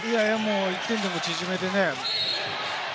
１点でも縮めて。